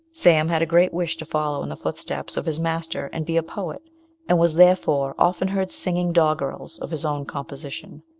Sam had a great wish to follow in the footsteps of his master, and be a poet; and was, therefore, often heard singing doggerels of his own composition.